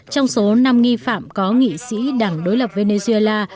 trong số năm nghi phạm có nghị sĩ đảng đối lập venezuela